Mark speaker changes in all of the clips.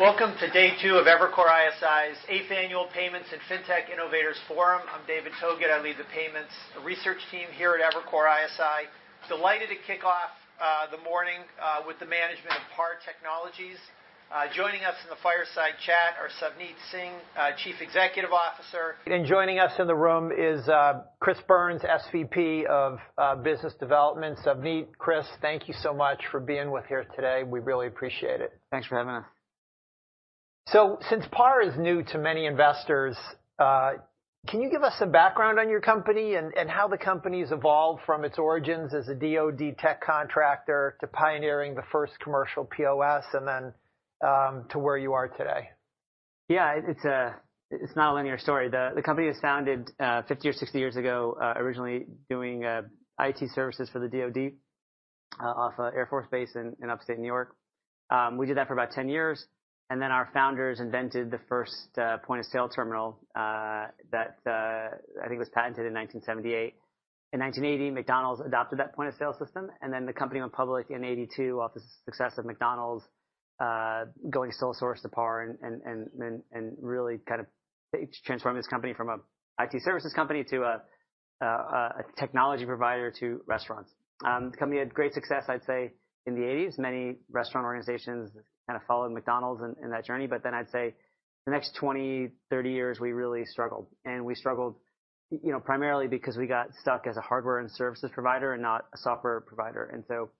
Speaker 1: Welcome to day two of Evercore ISI's eighth annual Payments and Fintech Innovators Forum. I'm David Togut. I lead the payments research team here at Evercore ISI. Delighted to kick off the morning with the management of PAR Technology. Joining us in the fireside chat are Savneet Singh, Chief Executive Officer. And joining us in the room is Chris Burns, SVP of Business Development. Savneet, Chris, thank you so much for being with us here today. We really appreciate it.
Speaker 2: Thanks for having us.
Speaker 1: Since PAR is new to many investors, can you give us some background on your company and how the company has evolved from its origins as a DoD tech contractor to pioneering the first commercial POS and then to where you are today?
Speaker 2: Yeah. It's not a linear story. The company was founded 50 or 60 years ago, originally doing IT services for the DoD off an Air Force base in upstate New York. We did that for about 10 years. Then our founders invented the first point-of-sale terminal that I think was patented in 1978. In 1980, McDonald's adopted that point-of-sale system. Then the company went public in 1982, off the success of McDonald's going sole source to PAR and really kind of transforming this company from an IT services company to a technology provider to restaurants. The company had great success, I'd say, in the 1980s. Many restaurant organizations kind of followed McDonald's in that journey. But then I'd say the next 20, 30 years, we really struggled. And we struggled primarily because we got stuck as a hardware and services provider and not a software provider. So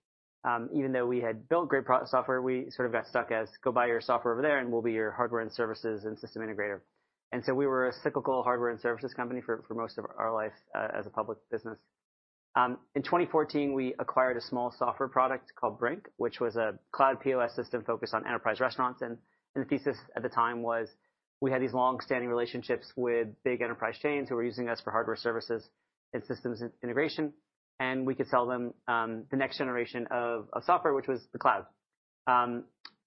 Speaker 2: even though we had built great software, we sort of got stuck as, "Go buy your software over there, and we'll be your hardware and services and System Integrator." We were a cyclical hardware and services company for most of our life as a public business. In 2014, we acquired a small software product called Brink, which was a cloud POS system focused on enterprise restaurants. The thesis at the time was we had these long-standing relationships with big enterprise chains who were using us for hardware services and systems integration. We could sell them the next generation of software, which was the cloud.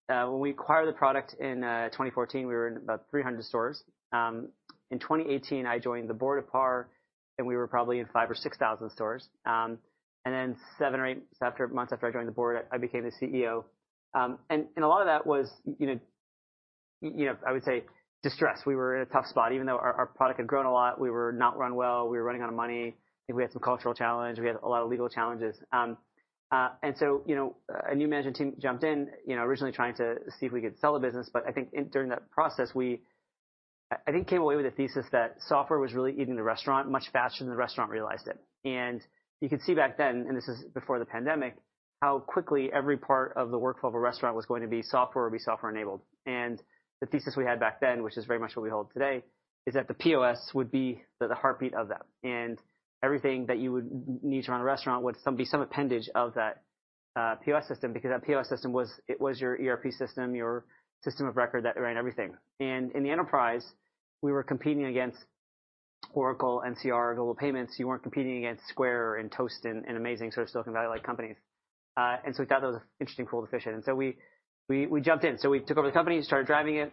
Speaker 2: When we acquired the product in 2014, we were in about 300 stores. In 2018, I joined the board of PAR, and we were probably in 5,000 or 6,000 stores. Then 7 or 8 months after I joined the board, I became the CEO. A lot of that was, I would say, distress. We were in a tough spot. Even though our product had grown a lot, we were not run well. We were running out of money. I think we had some cultural challenge. We had a lot of legal challenges. So a new management team jumped in, originally trying to see if we could sell the business. But I think during that process, I think came away with a thesis that software was really eating the restaurant much faster than the restaurant realized it. You could see back then, and this is before the pandemic, how quickly every part of the workflow of a restaurant was going to be software or be software-enabled. The thesis we had back then, which is very much what we hold today, is that the POS would be the heartbeat of that. Everything that you would need to run a restaurant would be some appendage of that POS system because that POS system, it was your ERP system, your system of record that ran everything. In the enterprise, we were competing against Oracle and NCR, Global Payments. You weren't competing against Square and Toast and amazing sort of Silicon Valley-like companies. We thought that was interesting, cool, and efficient. We jumped in. We took over the company, started driving it.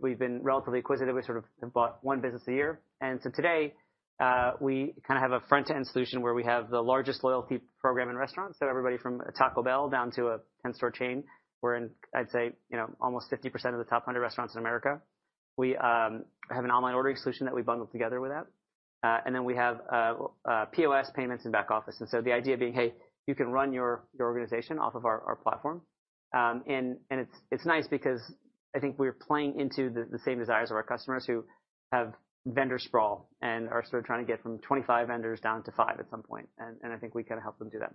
Speaker 2: We've been relatively acquisitive. We sort of have bought one business a year. Today, we kind of have a front-end solution where we have the largest loyalty program in restaurants. So everybody from a Taco Bell down to a 10-store chain, we're in, I'd say, almost 50% of the top 100 restaurants in America. We have an online ordering solution that we bundled together with that. And then we have POS, payments, and back office. And so the idea being, "Hey, you can run your organization off of our platform." And it's nice because I think we're playing into the same desires of our customers who have vendor sprawl and are sort of trying to get from 25 vendors down to 5 at some point. And I think we kind of helped them do that.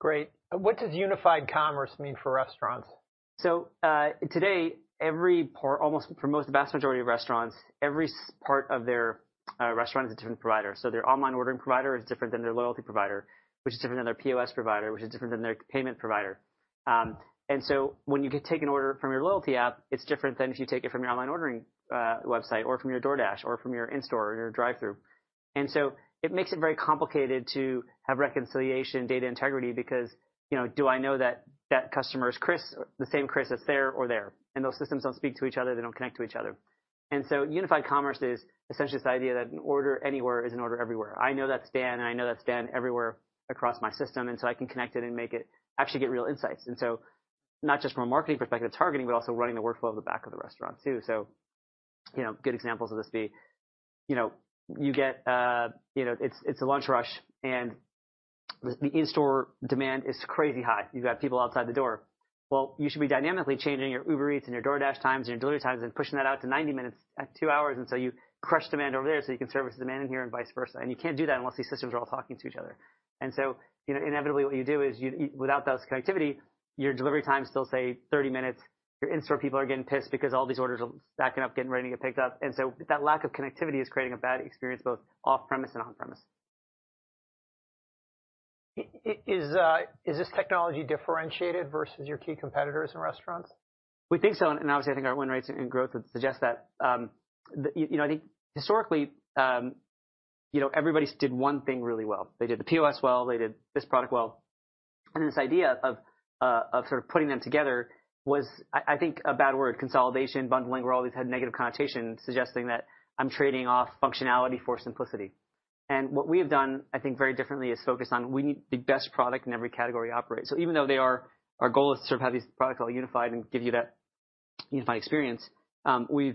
Speaker 1: Great. What does unified commerce mean for restaurants?
Speaker 2: So today, almost for the vast majority of restaurants, every part of their restaurant is a different provider. So their online ordering provider is different than their loyalty provider, which is different than their POS provider, which is different than their payment provider. And so when you take an order from your loyalty app, it's different than if you take it from your online ordering website or from your DoorDash or from your in-store or your drive-through. And so it makes it very complicated to have reconciliation, data integrity because do I know that customer is Chris, the same Chris that's there or there? And those systems don't speak to each other. They don't connect to each other. And so unified commerce is essentially this idea that an order anywhere is an order everywhere. I know that's Dan, and I know that's Dan everywhere across my system. And so I can connect it and actually get real insights. And so not just from a marketing perspective, targeting, but also running the workflow of the back of the restaurant too. So good examples of this be you get it's a lunch rush, and the in-store demand is crazy high. You've got people outside the door. Well, you should be dynamically changing your Uber Eats and your DoorDash times and your delivery times and pushing that out to 90 minutes, 2 hours. And so you crush demand over there so you can service the demand in here and vice versa. And you can't do that unless these systems are all talking to each other. And so inevitably, what you do is without those connectivity, your delivery time is still, say, 30 minutes. Your in-store people are getting pissed because all these orders are stacking up, getting ready to get picked up. And so that lack of connectivity is creating a bad experience both off-premise and on-premise.
Speaker 1: Is this technology differentiated versus your key competitors in restaurants?
Speaker 2: We think so. Obviously, I think our win rates and growth suggest that. I think historically, everybody did one thing really well. They did the POS well. They did this product well. Then this idea of sort of putting them together was, I think, a bad word, consolidation, bundling, where all these had negative connotations, suggesting that I'm trading off functionality for simplicity. What we have done, I think, very differently is focused on we need the best product in every category to operate. Even though our goal is to sort of have these products all unified and give you that unified experience, we'll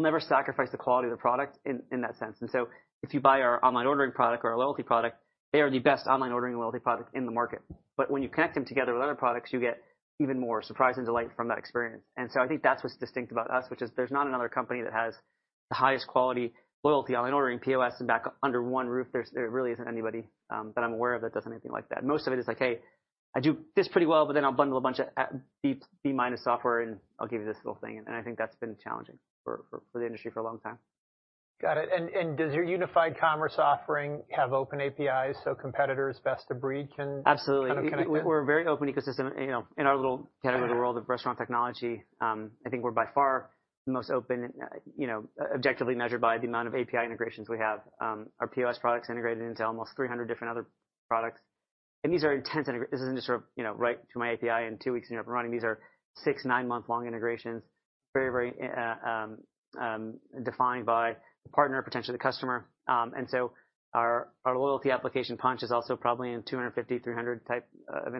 Speaker 2: never sacrifice the quality of the product in that sense. So if you buy our online ordering product or our loyalty product, they are the best online ordering and loyalty product in the market. But when you connect them together with other products, you get even more surprise and delight from that experience. And so I think that's what's distinct about us, which is there's not another company that has the highest quality loyalty online ordering, POS, and back under one roof. There really isn't anybody that I'm aware of that does anything like that. Most of it is like, "Hey, I do this pretty well, but then I'll bundle a bunch of B-minus software, and I'll give you this little thing." And I think that's been challenging for the industry for a long time.
Speaker 1: Got it. Does your unified commerce offering have open APIs so competitors' best-of-breed can kind of connect with it?
Speaker 2: Absolutely. We're a very open ecosystem. In our little category of the world of restaurant technology, I think we're by far the most open, objectively measured by the amount of API integrations we have. Our POS products are integrated into almost 300 different other products. And these are intense integrations. This isn't just sort of write to my API, and two weeks, and you're up and running. These are six-, nine-month-long integrations, very, very defined by the partner, potentially the customer. And so our loyalty application Punchh is also probably in 250-300 type of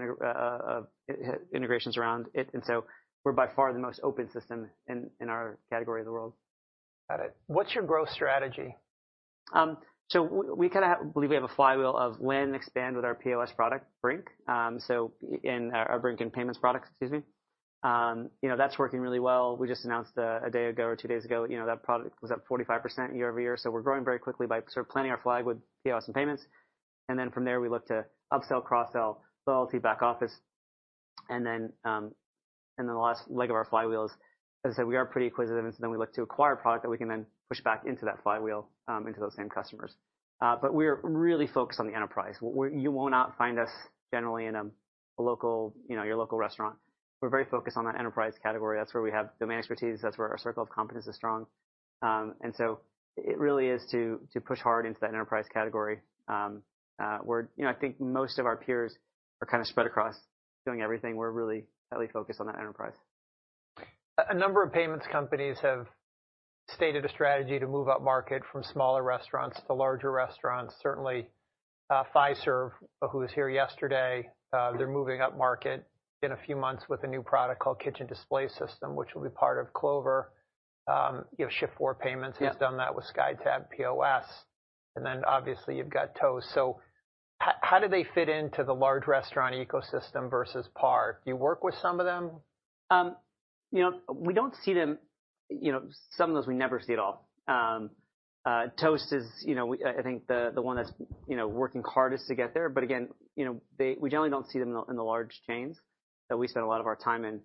Speaker 2: integrations around it. And so we're by far the most open system in our category of the world.
Speaker 1: Got it. What's your growth strategy?
Speaker 2: So we kind of believe we have a flywheel of when to expand with our POS product, Brink, so Brink in payments products, excuse me. That's working really well. We just announced a day ago or two days ago that product was up 45% year-over-year. So we're growing very quickly by sort of planting our flag with POS and payments. And then from there, we look to upsell, cross-sell, loyalty, back office. And then the last leg of our flywheel is, as I said, we are pretty acquisitive. And so then we look to acquire a product that we can then push back into that flywheel, into those same customers. But we are really focused on the enterprise. You will not find us generally in your local restaurant. We're very focused on that enterprise category. That's where we have domain expertise. That's where our circle of competence is strong. And so it really is to push hard into that enterprise category. I think most of our peers are kind of spread across doing everything. We're really heavily focused on that enterprise.
Speaker 1: A number of payments companies have stated a strategy to move up market from smaller restaurants to larger restaurants. Certainly, Fiserv, who was here yesterday, they're moving up market in a few months with a new product called Kitchen Display System, which will be part of Clover. Shift4 Payments has done that with SkyTab POS. And then obviously, you've got Toast. So how do they fit into the large restaurant ecosystem versus PAR? Do you work with some of them?
Speaker 2: We don't see them. Some of those, we never see at all. Toast is, I think, the one that's working hardest to get there. But again, we generally don't see them in the large chains that we spend a lot of our time in.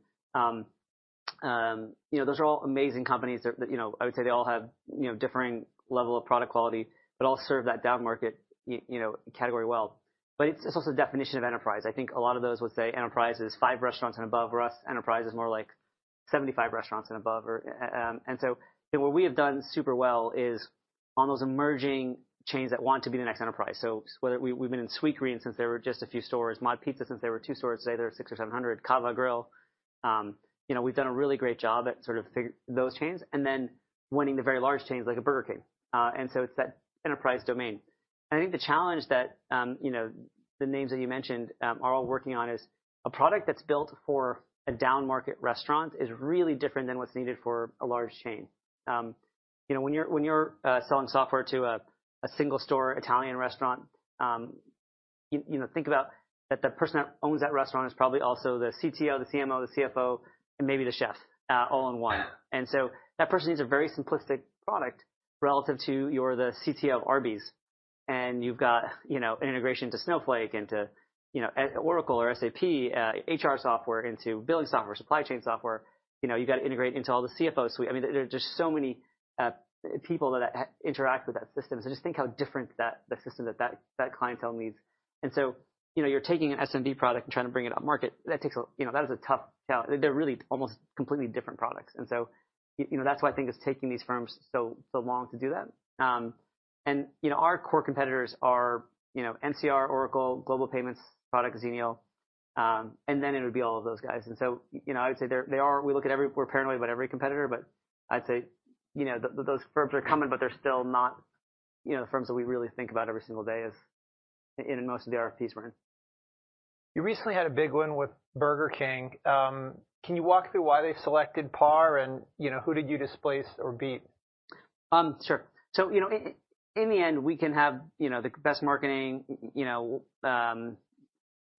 Speaker 2: Those are all amazing companies. I would say they all have differing levels of product quality but all serve that down-market category well. But it's also a definition of enterprise. I think a lot of those would say enterprise is 5 restaurants and above. For us, enterprise is more like 75 restaurants and above. And so what we have done super well is on those emerging chains that want to be the next enterprise. So we've been in Sweetgreen since there were just a few stores, MOD Pizza since there were 2 stores. Today, there are 600 or 700, CAVA. We've done a really great job at sort of those chains and then winning the very large chains like Burger King. So it's that enterprise domain. I think the challenge that the names that you mentioned are all working on is a product that's built for a down-market restaurant is really different than what's needed for a large chain. When you're selling software to a single-store Italian restaurant, think about that the person that owns that restaurant is probably also the CTO, the CMO, the CFO, and maybe the chef, all in one. So that person needs a very simplistic product relative to you're the CTO of Arby's. You've got an integration to Snowflake and to Oracle or SAP, HR software into billing software, supply chain software. You've got to integrate into all the CFO suite. I mean, there's so many people that interact with that system. So just think how different the system that that clientele needs. And so you're taking an SMB product and trying to bring it up market. That is a tough challenge. They're really almost completely different products. And so that's why I think it's taking these firms so long to do that. And our core competitors are NCR, Oracle, Global Payments product, Zenial. And then it would be all of those guys. And so I would say they are. We look at every. We're paranoid about every competitor. But I'd say those firms are coming, but they're still not the firms that we really think about every single day in most of the RFPs we're in.
Speaker 1: You recently had a big win with Burger King. Can you walk through why they selected PAR, and who did you displace or beat?
Speaker 2: Sure. In the end, we can have the best marketing.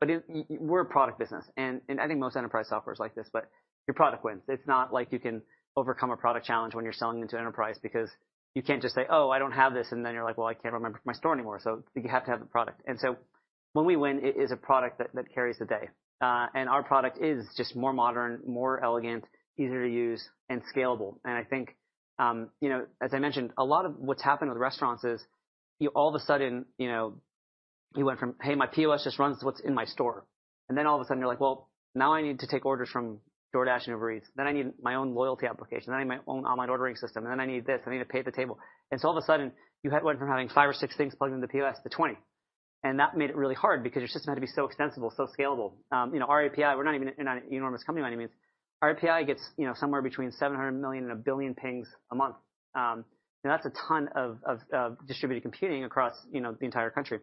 Speaker 2: But we're a product business. And I think most enterprise software is like this. But your product wins. It's not like you can overcome a product challenge when you're selling into enterprise because you can't just say, "Oh, I don't have this." And then you're like, "Well, I can't remember my store anymore." So you have to have the product. And so when we win, it is a product that carries the day. And our product is just more modern, more elegant, easier to use, and scalable. And I think, as I mentioned, a lot of what's happened with restaurants is all of a sudden, you went from, "Hey, my POS just runs what's in my store." And then all of a sudden, you're like, "Well, now I need to take orders from DoorDash and Uber Eats. Then I need my own loyalty application. Then I need my own online ordering system. And then I need this. I need to pay at the table." And so all of a sudden, you went from having 5 or 6 things plugged into the POS to 20. And that made it really hard because your system had to be so extensible, so scalable. Our API, we're not even an enormous company by any means. Our API gets somewhere between 700 million and 1 billion pings a month. That's a ton of distributed computing across the entire country.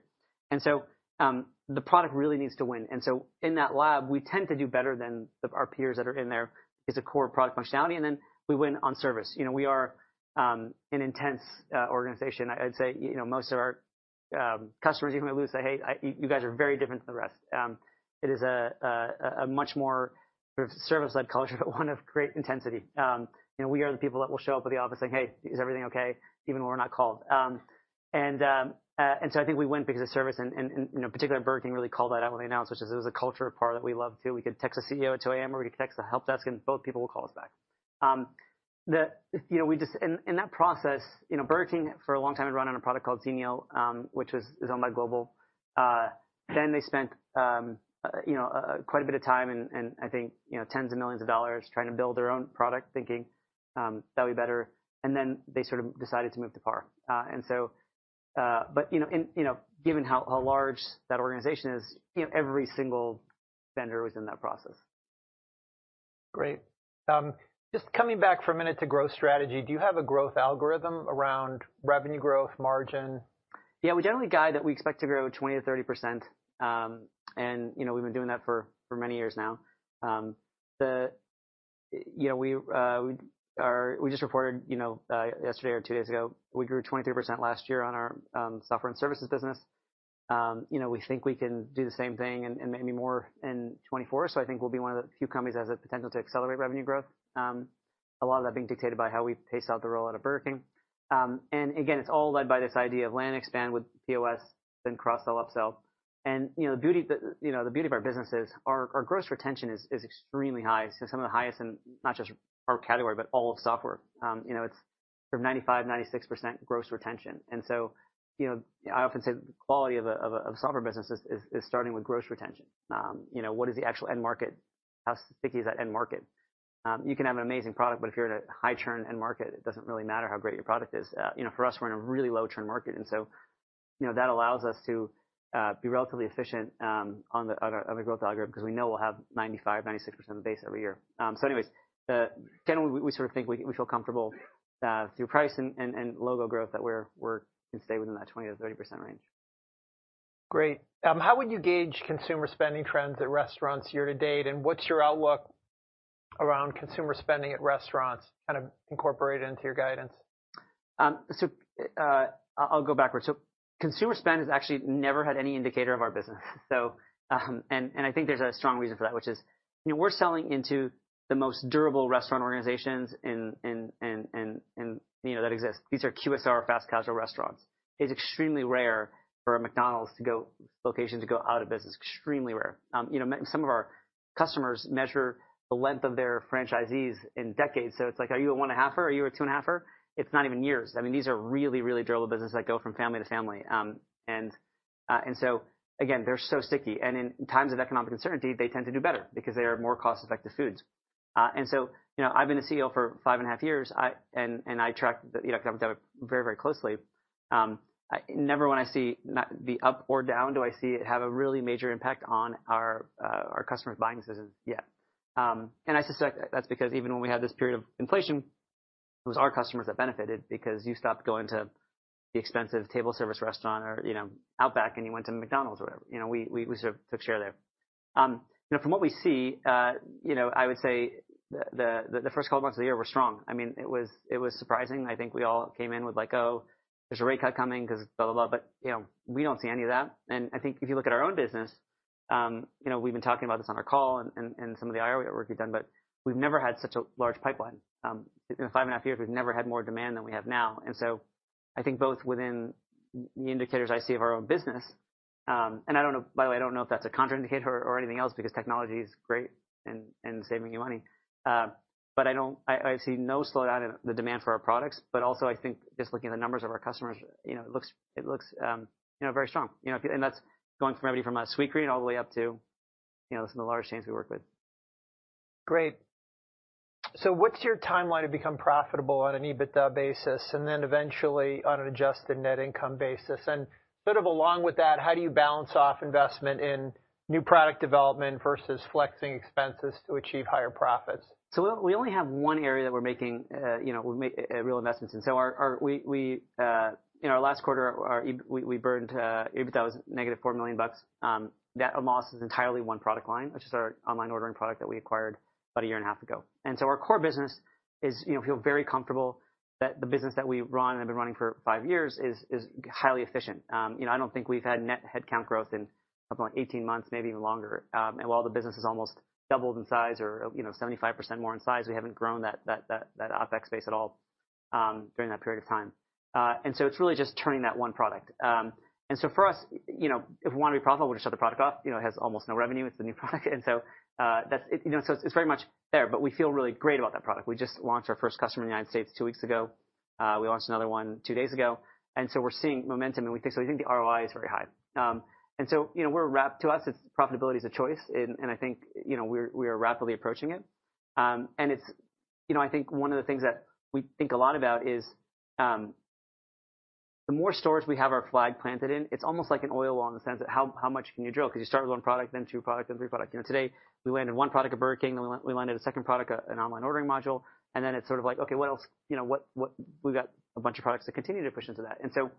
Speaker 2: And so the product really needs to win. And so in that lab, we tend to do better than our peers that are in there because of core product functionality. And then we win on service. We are an intense organization. I'd say most of our customers, even at LU, say, "Hey, you guys are very different than the rest." It is a much more sort of service-led culture but one of great intensity. We are the people that will show up at the office saying, "Hey, is everything okay?" even when we're not called. And so I think we win because of service. And in particular, Burger King really called that out when they announced, which is it was a culture of PAR that we loved too. We could text the CEO at 2:00 A.M., or we could text the help desk, and both people will call us back. And in that process, Burger King, for a long time, had run on a product called Zenial, which is owned by Global Payments. Then they spent quite a bit of time and, I think, $10s of millions trying to build their own product, thinking, "That would be better." And then they sort of decided to move to PAR. But given how large that organization is, every single vendor was in that process.
Speaker 1: Great. Just coming back for a minute to growth strategy, do you have a growth algorithm around revenue growth, margin?
Speaker 2: Yeah. We generally guide that we expect to grow 20-30%. And we've been doing that for many years now. We just reported yesterday or two days ago, we grew 23% last year on our software and services business. We think we can do the same thing and maybe more in 2024. So I think we'll be one of the few companies that has the potential to accelerate revenue growth, a lot of that being dictated by how we pace out the roll out of Burger King. And again, it's all led by this idea of land expand with POS, then cross-sell, upsell. And the beauty of our business is our gross retention is extremely high, some of the highest in not just our category but all of software. It's sort of 95%-96% gross retention. So I often say the quality of a software business is starting with gross retention. What is the actual end market? How sticky is that end market? You can have an amazing product, but if you're in a high-churn end market, it doesn't really matter how great your product is. For us, we're in a really low-churn market. So that allows us to be relatively efficient on the growth algorithm because we know we'll have 95%-96% of base every year. So anyways, generally, we sort of think we feel comfortable through price and logo growth that we can stay within that 20-30% range.
Speaker 1: Great. How would you gauge consumer spending trends at restaurants year to date? And what's your outlook around consumer spending at restaurants kind of incorporated into your guidance?
Speaker 2: So I'll go backwards. So consumer spend has actually never had any indicator of our business. And I think there's a strong reason for that, which is we're selling into the most durable restaurant organizations that exist. These are QSR fast-casual restaurants. It's extremely rare for a McDonald's location to go out of business, extremely rare. Some of our customers measure the length of their franchisees in decades. So it's like, "Are you a 1.5-er? Are you a 2.5-er?" It's not even years. I mean, these are really, really durable businesses that go from family to family. And so again, they're so sticky. And in times of economic uncertainty, they tend to do better because they are more cost-effective foods. And so I've been the CEO for 5.5 years, and I track the economic development very, very closely. Never, when I see the up or down, do I see it have a really major impact on our customers' buying decisions yet. And I suspect that's because even when we had this period of inflation, it was our customers that benefited because you stopped going to the expensive table service restaurant or Outback, and you went to McDonald's or whatever. We sort of took share there. From what we see, I would say the first couple of months of the year, we're strong. I mean, it was surprising. I think we all came in with like, "Oh, there's a rate cut coming because blah, blah, blah." But we don't see any of that. And I think if you look at our own business, we've been talking about this on our call and some of the IRA work you've done. But we've never had such a large pipeline. In the 5.5 years, we've never had more demand than we have now. So I think both within the indicators I see of our own business and I don't know by the way, I don't know if that's a contraindicator or anything else because technology is great and saving you money. I see no slowdown in the demand for our products. Also, I think just looking at the numbers of our customers, it looks very strong. That's going from everybody from Sweetgreen all the way up to some of the large chains we work with.
Speaker 1: Great. So what's your timeline to become profitable on an EBITDA basis and then eventually on an adjusted net income basis? And sort of along with that, how do you balance off investment in new product development versus flexing expenses to achieve higher profits? So we only have 1 area that we're making real investments in. So in our last quarter, we burned EBITDA was negative $4 million. That amount is entirely 1 product line, which is our online ordering product that we acquired about a year and a half ago. And so our core business is we feel very comfortable that the business that we run and have been running for 5 years is highly efficient. I don't think we've had net headcount growth in something like 18 months, maybe even longer. And while the business has almost doubled in size or 75% more in size, we haven't grown that OpEx base at all during that period of time. And so it's really just turning that 1 product. And so for us, if we want to be profitable, we just shut the product off. It has almost no revenue. It's the new product. So it's very much there. But we feel really great about that product. We just launched our first customer in the United States two weeks ago. We launched another one two days ago. So we're seeing momentum. So we think the ROI is very high. So to us, profitability is a choice. I think we are rapidly approaching it. I think one of the things that we think a lot about is the more stores we have our flag planted in, it's almost like an oil well in the sense of how much can you drill? Because you start with one product, then two products, then three products. Today, we landed one product at Burger King. Then we landed a second product, an online ordering module. And then it's sort of like, "OK, what else?" We've got a bunch of products to continue to push into that. And so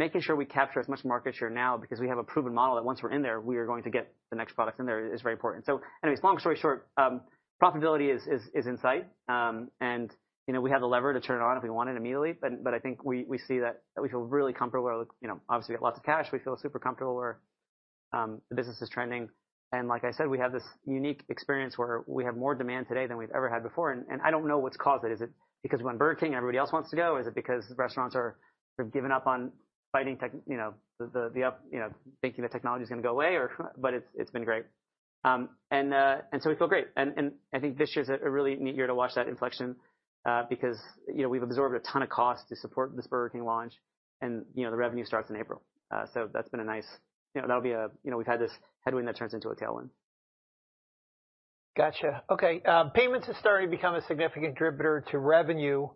Speaker 1: making sure we capture as much market share now because we have a proven model that once we're in there, we are going to get the next products in there is very important. So anyways, long story short, profitability is in sight. And we have the lever to turn it on if we want it immediately. But I think we see that we feel really comfortable where obviously, we got lots of cash. We feel super comfortable where the business is trending. And like I said, we have this unique experience where we have more demand today than we've ever had before. And I don't know what's caused it. Is it because we're on Burger King and everybody else wants to go? Is it because restaurants are sort of giving up on fighting the thinking that technology is going to go away? But it's been great. And so we feel great. And I think this year is a really neat year to watch that inflection because we've absorbed a ton of cost to support this Burger King launch. And the revenue starts in April. So that's been a nice that'll be a we've had this headwind that turns into a tailwind. Gotcha. OK. Payments have started to become a significant driver to revenue.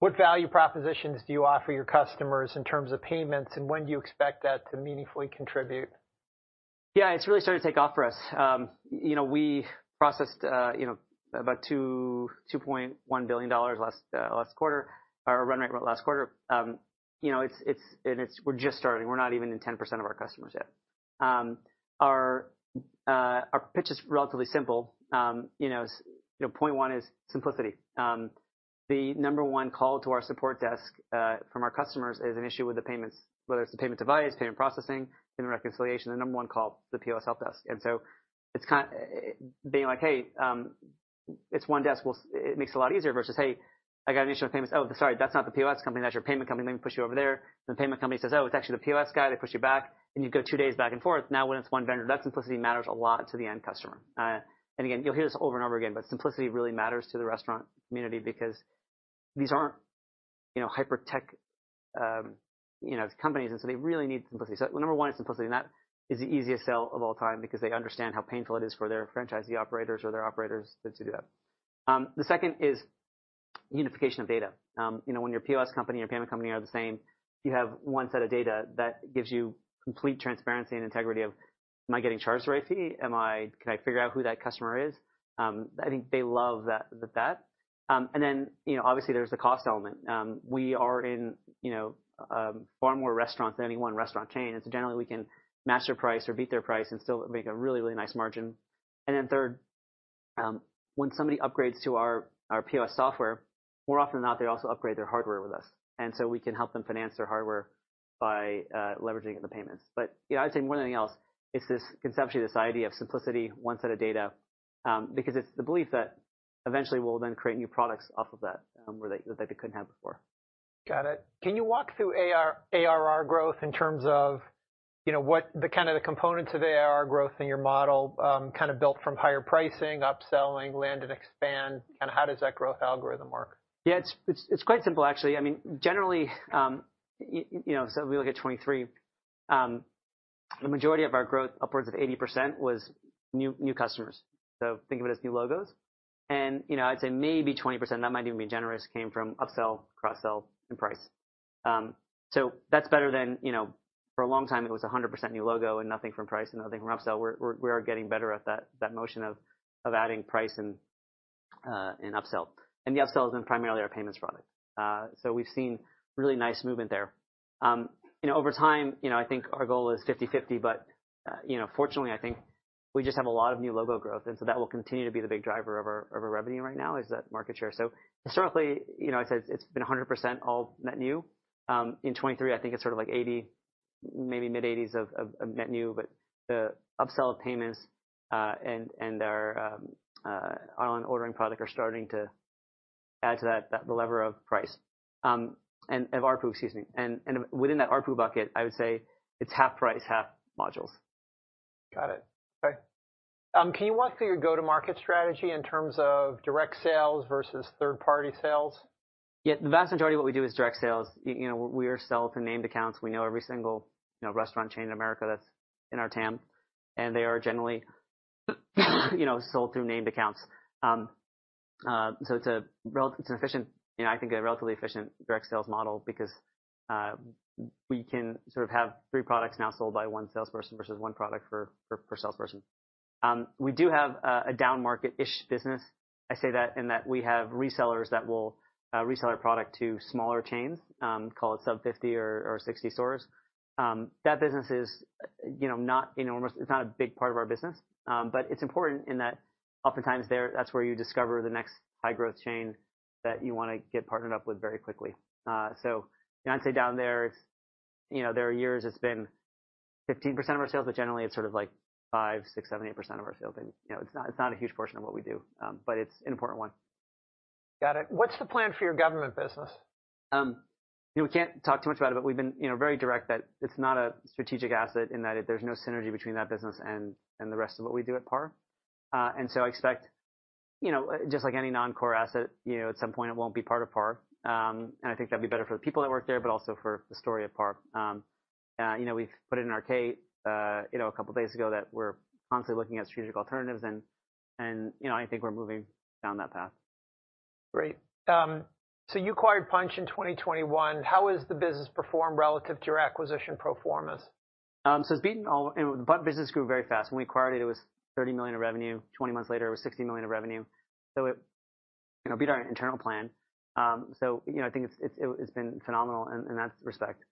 Speaker 1: What value propositions do you offer your customers in terms of payments? And when do you expect that to meaningfully contribute?
Speaker 2: Yeah. It's really started to take off for us. We processed about $2.1 billion last quarter, our run rate last quarter. And we're just starting. We're not even in 10% of our customers yet. Our pitch is relatively simple. Point one is simplicity. The number one call to our support desk from our customers is an issue with the payments, whether it's the payment device, payment processing, payment reconciliation, the number one call to the POS help desk. And so it's being like, "Hey, it's one desk. It makes it a lot easier," versus, "Hey, I got an issue with payments. Oh, sorry. That's not the POS company. That's your payment company. Let me push you over there." And the payment company says, "Oh, it's actually the POS guy. They push you back." And you go two days back and forth. Now when it's one vendor, that simplicity matters a lot to the end customer. Again, you'll hear this over and over again. But simplicity really matters to the restaurant community because these aren't hyper-tech companies. And so they really need simplicity. So number one, it's simplicity. And that is the easiest sale of all time because they understand how painful it is for their franchisee operators or their operators to do that. The second is unification of data. When your POS company and your payment company are the same, you have one set of data that gives you complete transparency and integrity of, "Am I getting charged the right fee? Can I figure out who that customer is?" I think they love that. And then obviously, there's the cost element. We are in far more restaurants than any one restaurant chain. And so generally, we can match price or beat their price and still make a really, really nice margin. And then third, when somebody upgrades to our POS software, more often than not, they also upgrade their hardware with us. And so we can help them finance their hardware by leveraging it in the payments. But I'd say more than anything else, it's conceptually this idea of simplicity, one set of data because it's the belief that eventually, we'll then create new products off of that that they couldn't have before. Got it. Can you walk through ARR growth in terms of the kind of components of ARR growth in your model, kind of built from higher pricing, upselling, land and expand? Kind of how does that growth algorithm work? Yeah. It's quite simple, actually. I mean, generally, so if we look at 2023, the majority of our growth, upwards of 80%, was new customers. So think of it as new logos. And I'd say maybe 20%, and that might even be generous, came from upsell, cross-sell, and price. So that's better than for a long time, it was 100% new logo and nothing from price and nothing from upsell. We are getting better at that motion of adding price and upsell. And the upsell has been primarily our payments product. So we've seen really nice movement there. Over time, I think our goal is 50/50. But fortunately, I think we just have a lot of new logo growth. And so that will continue to be the big driver of our revenue right now is that market share. So historically, I'd say it's been 100% all net new. In 2023, I think it's sort of like 80%, maybe mid-80s% of net new. But the upsell of payments and our online ordering product are starting to add to that, the lever of price of RPU, excuse me. And within that RPU bucket, I would say it's half price, half modules.
Speaker 1: Got it. OK. Can you walk through your go-to-market strategy in terms of direct sales versus third-party sales?
Speaker 2: Yeah. The vast majority of what we do is direct sales. We are sold through named accounts. We know every single restaurant chain in America that's in our TAM. And they are generally sold through named accounts. So it's an efficient I think a relatively efficient direct sales model because we can sort of have three products now sold by one salesperson versus one product per salesperson. We do have a down-market-ish business. I say that in that we have resellers that will resell our product to smaller chains, call it sub-50 or 60 stores. That business is not enormous. It's not a big part of our business. But it's important in that oftentimes, that's where you discover the next high-growth chain that you want to get partnered up with very quickly. So I'd say down there, there are years it's been 15% of our sales. But generally, it's sort of like 5, 6, 7, 8% of our sales. It's not a huge portion of what we do. But it's an important one.
Speaker 1: Got it. What's the plan for your government business?
Speaker 2: We can't talk too much about it. But we've been very direct that it's not a strategic asset in that there's no synergy between that business and the rest of what we do at PAR. And so I expect just like any non-core asset, at some point, it won't be part of PAR. And I think that'd be better for the people that work there but also for the story of PAR. We've put it in our case a couple of days ago that we're constantly looking at strategic alternatives. And I think we're moving down that path.
Speaker 1: Great. So you acquired Punchh in 2021. How has the business performed relative to your acquisition performance?
Speaker 2: So it's beaten all. The business grew very fast. When we acquired it, it was $30 million of revenue. 20 months later, it was $60 million of revenue. So it beat our internal plan. So I think it's been phenomenal in that respect.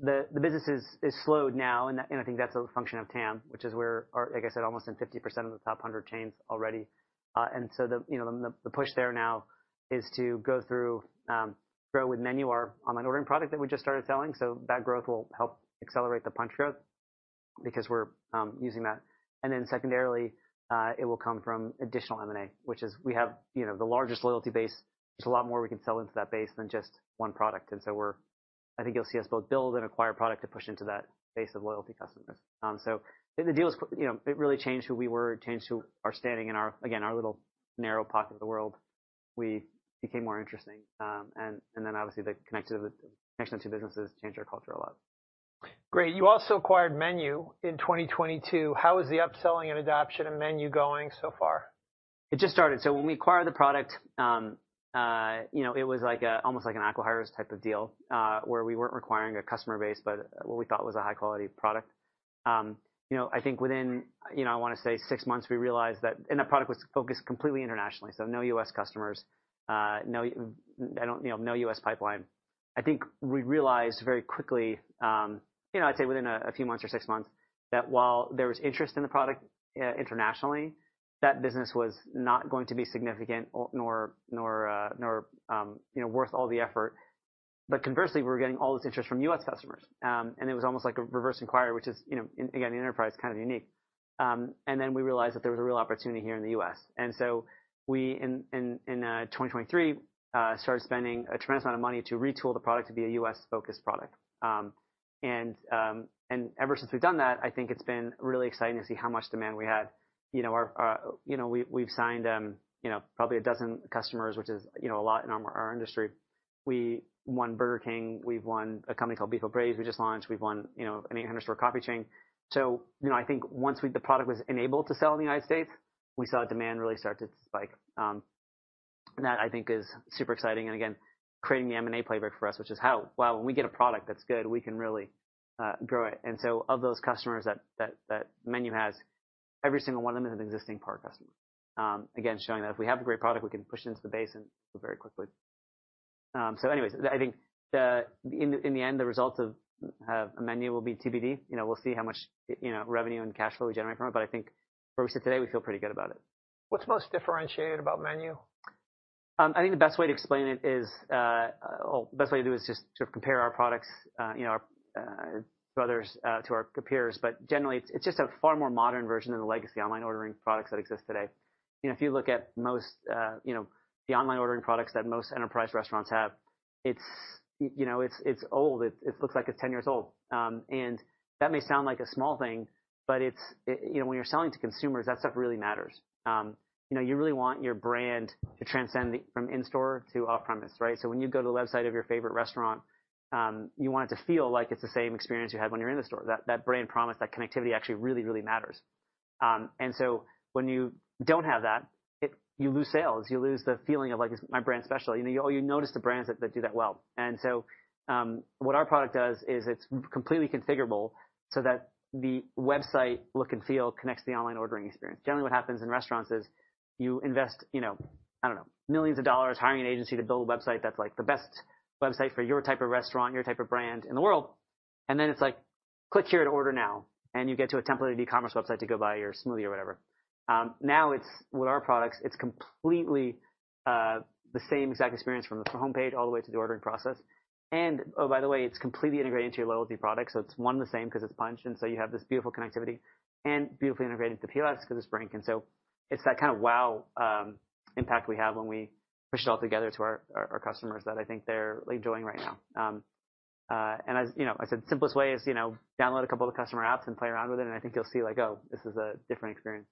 Speaker 2: The business is slowed now. And I think that's a function of TAM, which is where we're, like I said, almost in 50% of the top 100 chains already. And so the push there now is to grow with MENU our online ordering product that we just started selling. So that growth will help accelerate the Punchh growth because we're using that. And then secondarily, it will come from additional M&A, which is we have the largest loyalty base. There's a lot more we can sell into that base than just one product. I think you'll see us both build and acquire product to push into that base of loyalty customers. The deal is it really changed who we were, changed our standing in, again, our little narrow pocket of the world. We became more interesting. Obviously, the connection of the two businesses changed our culture a lot.
Speaker 1: Great. You also acquired MENU in 2022. How is the upselling and adoption of MENU going so far?
Speaker 2: It just started. So when we acquired the product, it was almost like an acquirer's type of deal where we weren't requiring a customer base but what we thought was a high-quality product. I think within, I want to say, six months, we realized that and that product was focused completely internationally. So no US customers, no US pipeline. I think we realized very quickly, I'd say within a few months or six months, that while there was interest in the product internationally, that business was not going to be significant nor worth all the effort. But conversely, we were getting all this interest from US customers. And it was almost like a reverse inquiry, which is, again, the enterprise is kind of unique. And then we realized that there was a real opportunity here in the US. So we, in 2023, started spending a tremendous amount of money to retool the product to be a U.S.-focused product. Ever since we've done that, I think it's been really exciting to see how much demand we had. We've signed probably a dozen customers, which is a lot in our industry. We won Burger King. We've won a company called Beef 'O' Brady's we just launched. We've won an 800-store coffee chain. I think once the product was enabled to sell in the United States, we saw demand really start to spike. That, I think, is super exciting. Again, creating the M&A playbook for us, which is how, wow, when we get a product that's good, we can really grow it. So of those customers that MENU has, every single one of them is an existing PAR customer, again, showing that if we have a great product, we can push it into the base very quickly. Anyways, I think in the end, the results of MENU will be TBD. We'll see how much revenue and cash flow we generate from it. I think where we sit today, we feel pretty good about it.
Speaker 1: What's most differentiated about MENU?
Speaker 2: I think the best way to explain it is, well, the best way to do it is just sort of compare our products to our peers. But generally, it's just a far more modern version than the legacy online ordering products that exist today. If you look at the online ordering products that most enterprise restaurants have, it's old. It looks like it's 10 years old. And that may sound like a small thing. But when you're selling to consumers, that stuff really matters. You really want your brand to transcend from in-store to off-premise, right? So when you go to the website of your favorite restaurant, you want it to feel like it's the same experience you had when you're in the store. That brand promise, that connectivity actually really, really matters. And so when you don't have that, you lose sales. You lose the feeling of, like, is my brand special? You notice the brands that do that well. And so what our product does is it's completely configurable so that the website look and feel connects the online ordering experience. Generally, what happens in restaurants is you invest, I don't know, $ millions hiring an agency to build a website that's like the best website for your type of restaurant, your type of brand in the world. And then it's like, click here to order now. And you get to a templated e-commerce website to go buy your smoothie or whatever. Now with our products, it's completely the same exact experience from the home page all the way to the ordering process. And oh, by the way, it's completely integrated into your loyalty product. So it's one and the same because it's Punchh. And so you have this beautiful connectivity and beautifully integrated into the POS because it's Brink. And so it's that kind of wow impact we have when we push it all together to our customers that I think they're enjoying right now. And as I said, the simplest way is download a couple of the customer apps and play around with it. And I think you'll see like, oh, this is a different experience.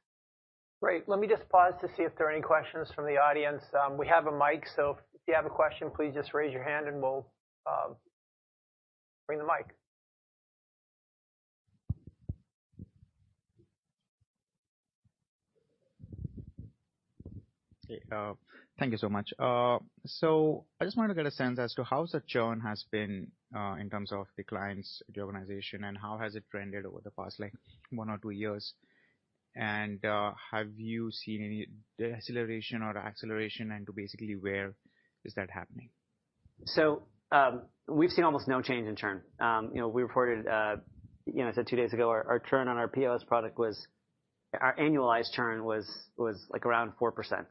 Speaker 1: Great. Let me just pause to see if there are any questions from the audience. We have a mic. So if you have a question, please just raise your hand. We'll bring the mic.
Speaker 3: Thank you so much. I just wanted to get a sense as to how such churn has been in terms of the clients, the organization. And how has it trended over the past 1 or 2 years? And have you seen any deceleration or acceleration? And basically, where is that happening?
Speaker 2: So we've seen almost no change in churn. We reported, as I said two days ago, our churn on our POS product was our annualized churn was around 4%.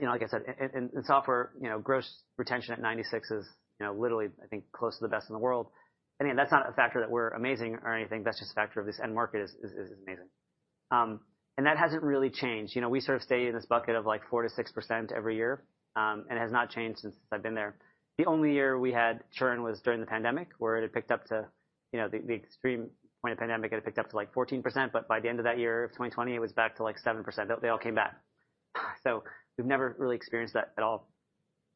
Speaker 2: So like I said, in software, gross retention at 96% is literally, I think, close to the best in the world. And again, that's not a factor that we're amazing or anything. That's just a factor of this end market is amazing. And that hasn't really changed. We sort of stay in this bucket of like 4%-6% every year. And it has not changed since I've been there. The only year we had churn was during the pandemic where it had picked up to the extreme point of pandemic, it had picked up to like 14%. But by the end of that year of 2020, it was back to like 7%. They all came back. We've never really experienced that at all.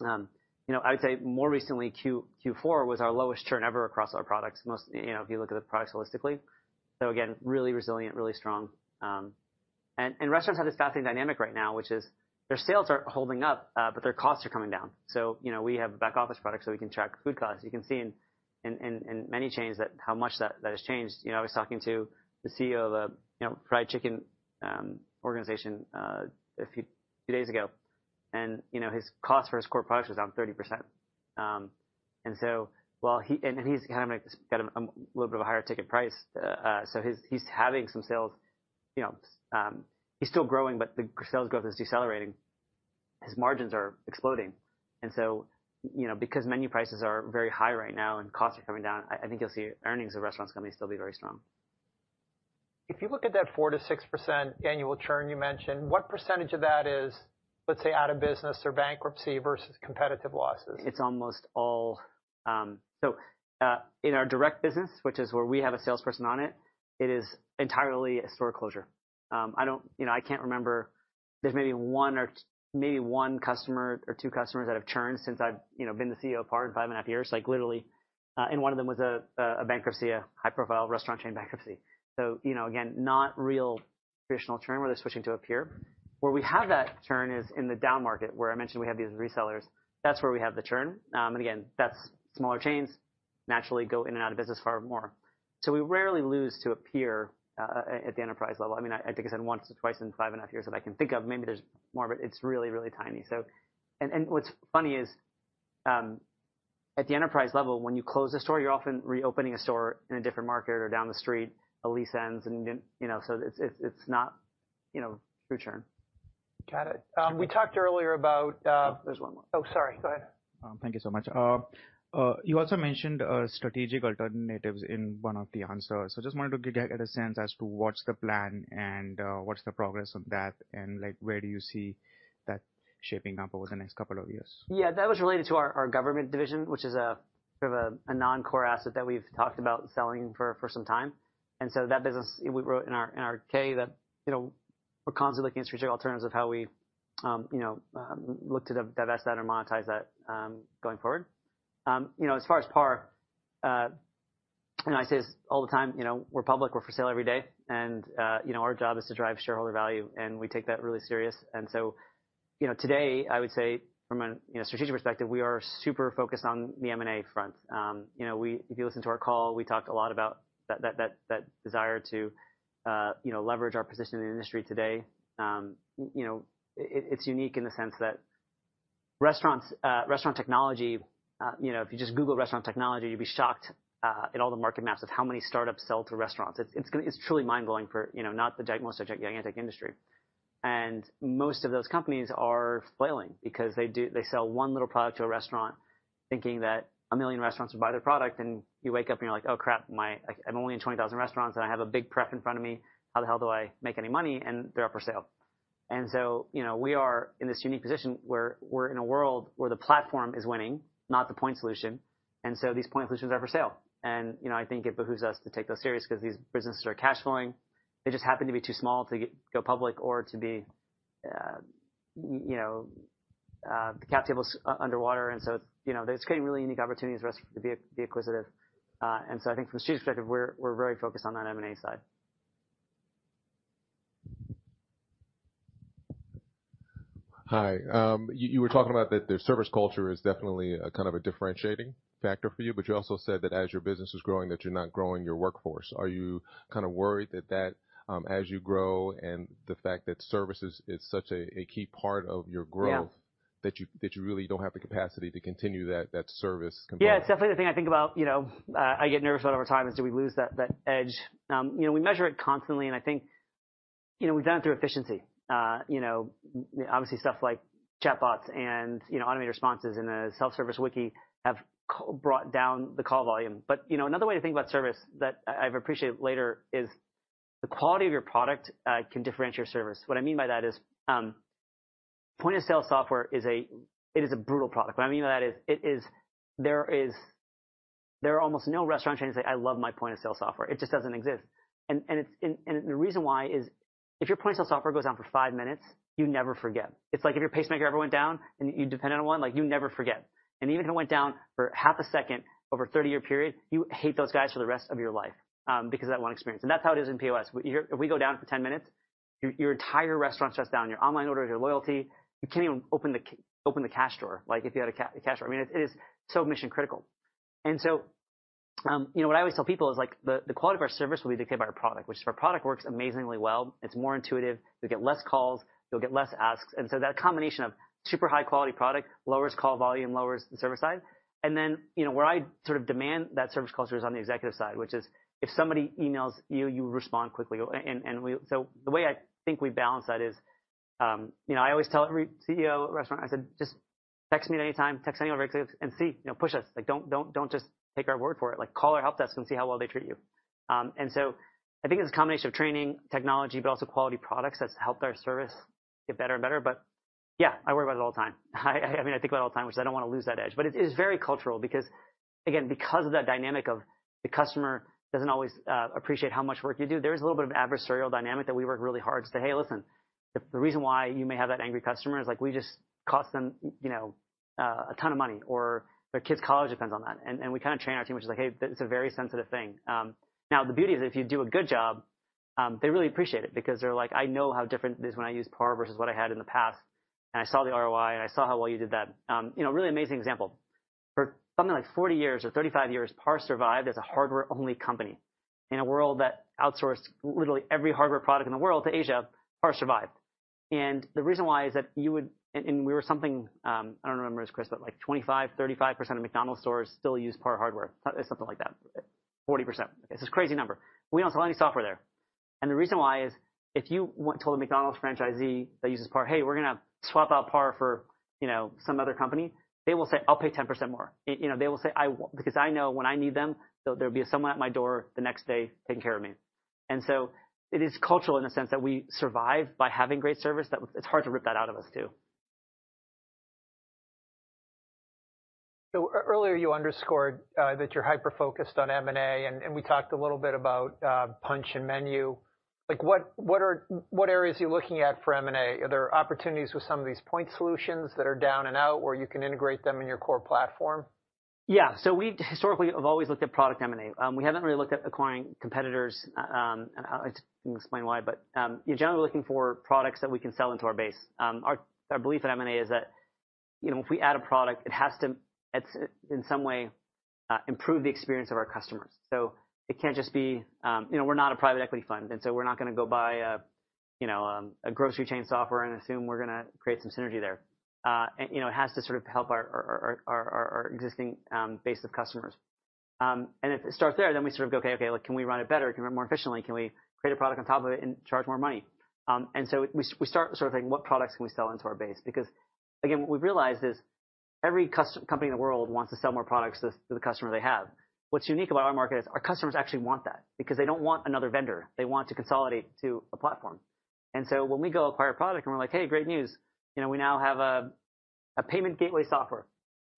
Speaker 2: I would say more recently, Q4 was our lowest churn ever across our products if you look at the products holistically. So again, really resilient, really strong. And restaurants have this fascinating dynamic right now, which is their sales are holding up. But their costs are coming down. So we have a back office product. So we can track food costs. You can see in many chains how much that has changed. I was talking to the CEO of a fried chicken organization a few days ago. And his cost for his core product was down 30%. And he's kind of got a little bit of a higher ticket price. So he's having some sales. He's still growing. But the sales growth is decelerating. His margins are exploding. And so because menu prices are very high right now and costs are coming down, I think you'll see earnings of restaurants going to still be very strong.
Speaker 1: If you look at that 4%-6% annual churn you mentioned, what percentage of that is, let's say, out of business or bankruptcy versus competitive losses?
Speaker 2: It's almost all so in our direct business, which is where we have a salesperson on it; it is entirely a store closure. I can't remember. There's maybe one customer or two customers that have churned since I've been the CEO of PAR in five and a half years, literally. And one of them was a bankruptcy, a high-profile restaurant chain bankruptcy. So again, not real traditional churn where they're switching to a peer. Where we have that churn is in the down market where I mentioned we have these resellers. That's where we have the churn. And again, that's smaller chains naturally go in and out of business far more. So we rarely lose to a peer at the enterprise level. I mean, I think I said once or twice in five and a half years that I can think of. Maybe there's more. But it's really, really tiny. What's funny is at the enterprise level, when you close a store, you're often reopening a store in a different market or down the street. A lease ends. So it's not true churn.
Speaker 1: Got it. We talked earlier about.
Speaker 2: There's one more.
Speaker 1: Oh, sorry. Go ahead.
Speaker 3: Thank you so much. You also mentioned strategic alternatives in one of the answers. So I just wanted to get a sense as to what's the plan and what's the progress on that. And where do you see that shaping up over the next couple of years?
Speaker 2: Yeah. That was related to our government division, which is sort of a non-core asset that we've talked about selling for some time. And so that business, we wrote in our case that we're constantly looking at strategic alternatives of how we look to divest that or monetize that going forward. As far as PAR, and I say this all the time, we're public. We're for sale every day. And our job is to drive shareholder value. And we take that really serious. And so today, I would say from a strategic perspective, we are super focused on the M&A front. If you listen to our call, we talk a lot about that desire to leverage our position in the industry today. It's unique in the sense that restaurant technology, if you just Google restaurant technology, you'd be shocked at all the market maps of how many startups sell to restaurants. It's truly mind-blowing for not the most gigantic industry. Most of those companies are flailing because they sell one little product to a restaurant thinking that a million restaurants would buy their product. You wake up, and you're like, oh, crap. I'm only in 20,000 restaurants. I have a big prep in front of me. How the hell do I make any money? They're up for sale. We are in this unique position where we're in a world where the platform is winning, not the point solution. These point solutions are for sale. I think it behooves us to take those serious because these businesses are cash-flowing. They just happen to be too small to go public or to be the cap table's underwater. So it's creating really unique opportunities for us to be acquisitive. So I think from a strategic perspective, we're very focused on that M&A side.
Speaker 4: Hi. You were talking about that their service culture is definitely kind of a differentiating factor for you. But you also said that as your business is growing, that you're not growing your workforce. Are you kind of worried that as you grow and the fact that service is such a key part of your growth that you really don't have the capacity to continue that service competition?
Speaker 2: Yeah. It's definitely the thing I think about. I get nervous about it over time is do we lose that edge? We measure it constantly. And I think we've done it through efficiency. Obviously, stuff like chatbots and automated responses in a self-service wiki have brought down the call volume. But another way to think about service that I've appreciated later is the quality of your product can differentiate your service. What I mean by that is point-of-sale software, it is a brutal product. What I mean by that is there are almost no restaurant chains that say, I love my point-of-sale software. It just doesn't exist. And the reason why is if your point-of-sale software goes down for five minutes, you never forget. It's like if your pacemaker ever went down and you depended on one, you never forget. Even if it went down for half a second over a 30-year period, you hate those guys for the rest of your life because of that one experience. That's how it is in POS. If we go down for 10 minutes, your entire restaurant shuts down. Your online orders, your loyalty, you can't even open the cash drawer if you had a cash drawer. I mean, it is so mission-critical. What I always tell people is the quality of our service will be dictated by our product, which is if our product works amazingly well. It's more intuitive. You'll get less calls. You'll get less asks. That combination of super high-quality product lowers call volume, lowers the service side. Then where I sort of demand that service culture is on the executive side, which is if somebody emails you, you respond quickly. So the way I think we balance that is I always tell every CEO of a restaurant, I said, just text me at any time. Text anyone very quickly. And see, push us. Don't just take our word for it. Call our help desk and see how well they treat you. And so I think it's a combination of training, technology, but also quality products that's helped our service get better and better. But yeah, I worry about it all the time. I mean, I think about it all the time, which is I don't want to lose that edge. But it is very cultural because, again, because of that dynamic of the customer doesn't always appreciate how much work you do, there is a little bit of an adversarial dynamic that we work really hard to say, hey, listen, the reason why you may have that angry customer is we just cost them a ton of money. Or their kid's college depends on that. And we kind of train our team, which is like, hey, it's a very sensitive thing. Now, the beauty is if you do a good job, they really appreciate it because they're like, I know how different it is when I use PAR versus what I had in the past. And I saw the ROI. And I saw how well you did that. Really amazing example. For something like 40 years or 35 years, PAR survived as a hardware-only company in a world that outsourced literally every hardware product in the world to Asia. PAR survived. The reason why is that you would and we were something I don't remember his price, but like 25%, 35% of McDonald's stores still use PAR hardware. It's something like that. 40%. It's a crazy number. We don't sell any software there. The reason why is if you told a McDonald's franchisee that uses PAR, hey, we're going to swap out PAR for some other company, they will say, I'll pay 10% more. They will say, because I know when I need them, there'll be someone at my door the next day taking care of me. So it is cultural in the sense that we survive by having great service. It's hard to rip that out of us too.
Speaker 1: Earlier, you underscored that you're hyper-focused on M&A. We talked a little bit about Punchh and MENU. What areas are you looking at for M&A? Are there opportunities with some of these point solutions that are down and out where you can integrate them in your core platform?
Speaker 2: Yeah. So we historically have always looked at product M&A. We haven't really looked at acquiring competitors. I can explain why. But generally, we're looking for products that we can sell into our base. Our belief in M&A is that if we add a product, it has to in some way improve the experience of our customers. So it can't just be. We're not a private equity fund. And so we're not going to go buy a grocery chain software and assume we're going to create some synergy there. It has to sort of help our existing base of customers. And if it starts there, then we sort of go, OK, OK, can we run it better? Can we run it more efficiently? Can we create a product on top of it and charge more money? We start sort of thinking, what products can we sell into our base? Because again, what we've realized is every company in the world wants to sell more products to the customer they have. What's unique about our market is our customers actually want that because they don't want another vendor. They want to consolidate to a platform. And so when we go acquire a product, and we're like, hey, great news. We now have a payment gateway software.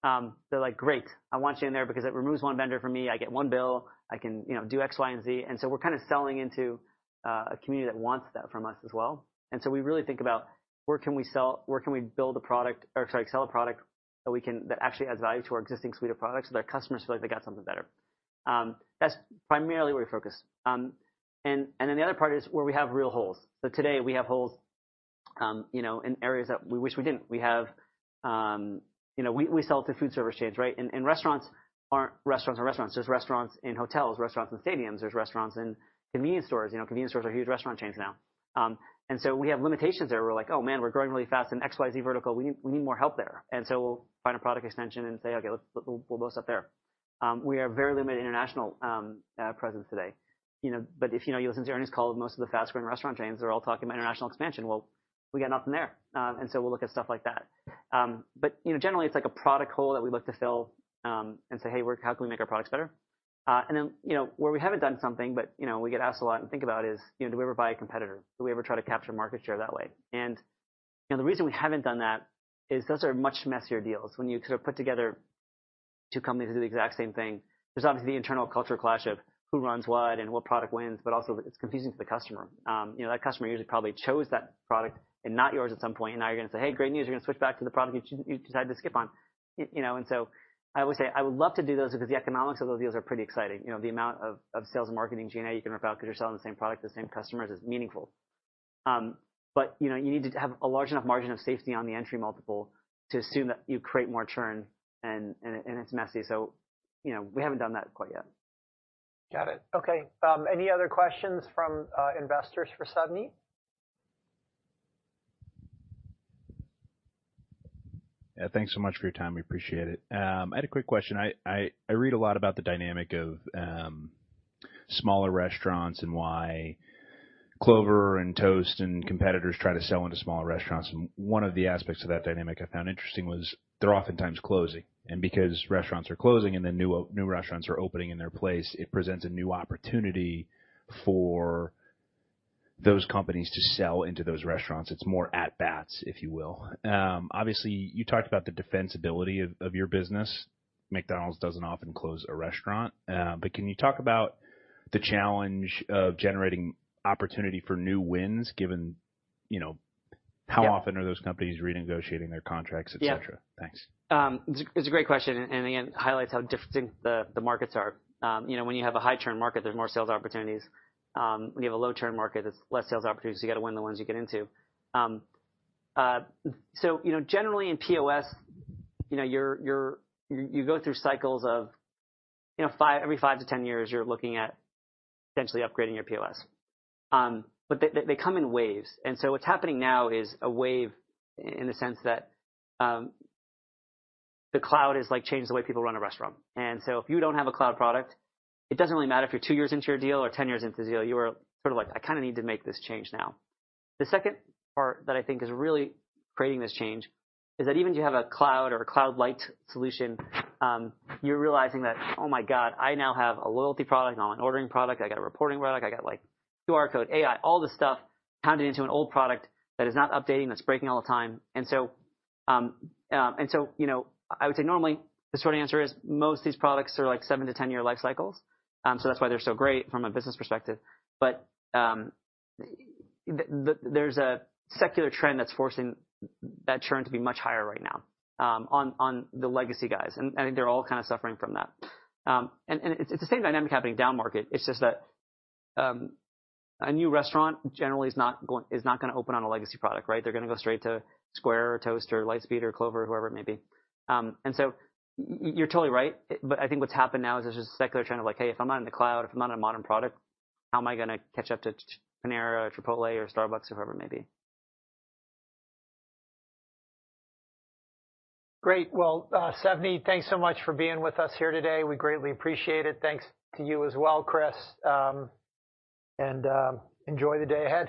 Speaker 2: They're like, great. I want you in there because it removes one vendor for me. I get one bill. I can do X, Y, and Z. And so we're kind of selling into a community that wants that from us as well. So we really think about where can we sell where can we build a product or, sorry, sell a product that actually adds value to our existing suite of products so that our customers feel like they got something better. That's primarily where we focus. Then the other part is where we have real holes. So today, we have holes in areas that we wish we didn't. We sell to food service chains, right? And restaurants aren't restaurants are restaurants. There's restaurants in hotels, restaurants in stadiums. There's restaurants in convenience stores. Convenience stores are huge restaurant chains now. And so we have limitations there. We're like, oh, man, we're growing really fast in X, Y, Z vertical. We need more help there. And so we'll find a product extension and say, OK, we'll boost up there. We are very limited international presence today. But if you listen to earnings call, most of the fast-growing restaurant chains, they're all talking about international expansion. Well, we got nothing there. And so we'll look at stuff like that. But generally, it's like a product hole that we look to fill and say, hey, how can we make our products better? And then where we haven't done something, but we get asked a lot and think about is, do we ever buy a competitor? Do we ever try to capture market share that way? And the reason we haven't done that is those are much messier deals. When you sort of put together two companies that do the exact same thing, there's obviously the internal culture clash of who runs what and what product wins. But also, it's confusing to the customer. That customer usually probably chose that product and not yours at some point. And now you're going to say, "Hey, great news. You're going to switch back to the product you decided to skip on." And so I always say, "I would love to do those because the economics of those deals are pretty exciting." The amount of sales and marketing G&A you can rip out because you're selling the same product to the same customers is meaningful. But you need to have a large enough margin of safety on the entry multiple to assume that you create more churn. And it's messy. So we haven't done that quite yet.
Speaker 1: Got it. OK. Any other questions from investors for Savneet?
Speaker 4: Yeah. Thanks so much for your time. We appreciate it. I had a quick question. I read a lot about the dynamic of smaller restaurants and why Clover and Toast and competitors try to sell into smaller restaurants. And one of the aspects of that dynamic I found interesting was they're oftentimes closing. And because restaurants are closing and then new restaurants are opening in their place, it presents a new opportunity for those companies to sell into those restaurants. It's more at bats, if you will. Obviously, you talked about the defensibility of your business. McDonald's doesn't often close a restaurant. But can you talk about the challenge of generating opportunity for new wins given how often are those companies renegotiating their contracts, et cetera? Thanks.
Speaker 2: It's a great question. And again, it highlights how different the markets are. When you have a high-churn market, there's more sales opportunities. When you have a low-churn market, there's less sales opportunities. So you got to win the ones you get into. So generally, in POS, you go through cycles of every 5-10 years, you're looking at potentially upgrading your POS. But they come in waves. And so what's happening now is a wave in the sense that the cloud has changed the way people run a restaurant. And so if you don't have a cloud product, it doesn't really matter if you're 2 years into your deal or 10 years into the deal. You are sort of like, I kind of need to make this change now. The second part that I think is really creating this change is that even if you have a cloud or a cloud-light solution, you're realizing that, oh, my god, I now have a loyalty product. Now I'm an ordering product. I got a reporting product. I got QR code, AI, all this stuff pounded into an old product that is not updating, that's breaking all the time. And so I would say normally, the short answer is most of these products are like 7-10-year life cycles. So that's why they're so great from a business perspective. But there's a secular trend that's forcing that churn to be much higher right now on the legacy guys. And it's the same dynamic happening down market. It's just that a new restaurant generally is not going to open on a legacy product, right? They're going to go straight to Square or Toast or Lightspeed or Clover, whoever it may be. And so you're totally right. But I think what's happened now is there's just a secular trend of like, hey, if I'm not in the cloud, if I'm not on a modern product, how am I going to catch up to Panera, Chipotle, or Starbucks, or whoever it may be?
Speaker 1: Great. Well, Savneet, thanks so much for being with us here today. We greatly appreciate it. Thanks to you as well, Chris. And enjoy the day ahead.